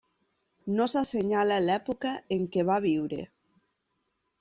No s'assenyala l'època en què va viure.